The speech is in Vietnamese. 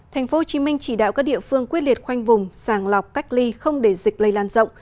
tp hcm chỉ đạo các địa phương quyết liệt khoanh vùng sàng lọc cách ly không để dịch lây lan rộng